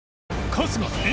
春日）